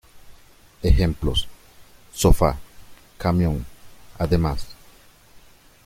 Ejemplos: "sofá, camión, además".